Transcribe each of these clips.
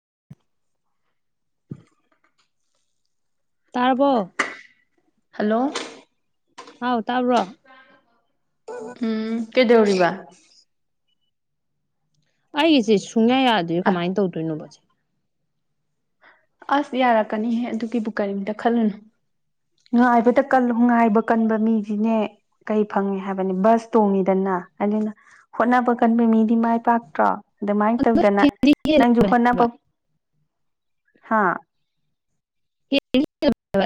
[unintelligible] [inaudible] ꯇꯥꯔꯔꯕꯣ ꯍꯜꯂꯣ ꯍꯥꯎ ꯇꯥꯕ꯭ꯔꯣ ꯎꯝ ꯀꯩꯗꯧꯔꯤꯕ ꯑꯩꯒꯤꯁꯦ ꯁꯨꯡꯌꯥ ꯌꯥꯗꯣꯏ ꯀꯃꯥꯏꯅ ꯇꯧꯗꯣꯏꯅꯣꯕꯁꯦ ꯑꯁ ꯌꯥꯔꯛꯀꯅꯤꯍꯦ ꯑꯗꯨꯒꯤꯕꯨ ꯀꯔꯤꯝꯇ ꯈꯜꯂꯨꯅꯨ ꯉꯥꯏꯕꯗ ꯀ ꯉꯥꯏꯕ ꯀꯟꯕ ꯃꯤꯁꯤꯅꯦ ꯀꯩ ꯐꯪꯉꯦ ꯍꯥꯏꯕꯅꯤ ꯕꯁ ꯇꯣꯡꯉꯤꯗꯅ ꯑꯗꯨꯅ ꯍꯣꯠꯅꯕ ꯀꯟꯕ ꯃꯤꯗꯤ ꯃꯥꯏ ꯄꯥꯛꯇ꯭ꯔꯣ ꯑꯗꯨꯃꯥꯏꯅ ꯑꯗꯣ ꯇꯧꯗꯅ ꯍꯦꯟꯗꯤ ꯅꯪꯁꯨ ꯍꯦꯜꯂꯕꯅꯦ ꯍꯣꯠꯅꯕ ꯍꯥꯏꯕ ꯍꯥꯥ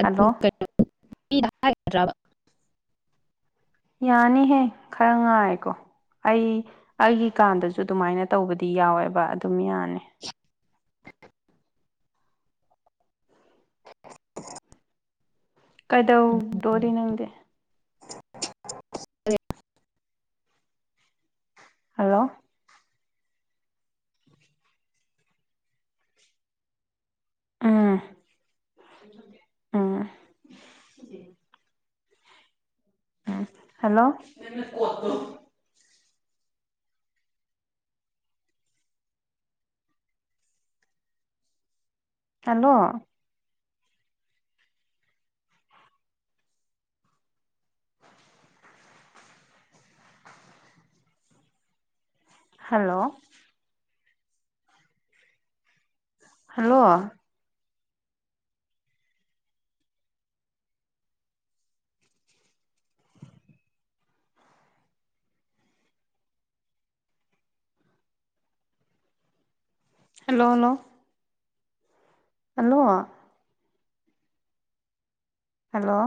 ꯍꯜꯂꯣ [inaudible] ꯌꯥꯅꯤꯍꯦ ꯈꯔ ꯉꯥꯏꯥꯏꯦꯀꯣ ꯑꯩ ꯑꯩꯒꯤ ꯀꯥꯟꯗꯁꯨ ꯑꯗꯨꯃꯥꯏꯅ ꯇꯧꯕꯗꯤ ꯌꯥꯎꯋꯦꯕ ꯑꯗꯨꯝ ꯌꯥꯅꯤ [unintelligible] [inaudible] ꯀꯩꯗꯧꯗꯣꯔꯤ ꯅꯪꯗꯦ ꯑꯦ [unintelligible] [inaudible] ꯍꯜꯂꯣ ꯑꯥ ꯑ [unintelligible] [inaudible] hello hello hello hello hello hello ꯑꯜ [unintelligible] [inaudible] ꯍꯜꯂꯣ